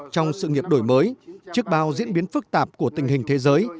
trong sự nghiệp đổi mới trước bao diễn biến phức tạp của tình hình thế giới